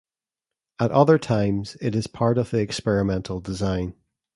At other times, it is part of the experimental design.